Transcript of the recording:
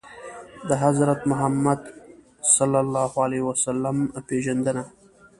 د حضرت محمد ﷺ پېژندنه